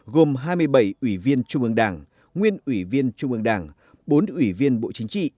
gồm hai mươi bảy ủy viên trung ương đảng nguyên ủy viên trung ương đảng bốn ủy viên bộ chính trị